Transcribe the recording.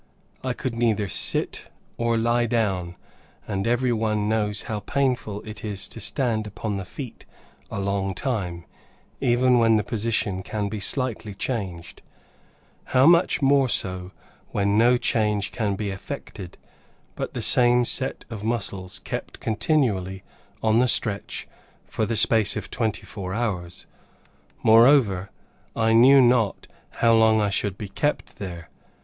I could neither sit or lie down, and every one knows how very painful it is to stand upon the feet a long time, even when the position can be slightly changed; how much more so when no change can be effected, but the same set of muscles kept continually on the stretch for the space of twenty four hours! Moreover, I knew not how long I should be kept there.